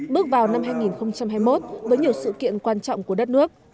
bước vào năm hai nghìn hai mươi một với nhiều sự kiện quan trọng của đất nước